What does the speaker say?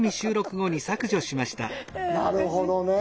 なるほどね。